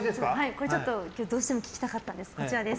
ちょっと今日どうしても聞きたかったんです。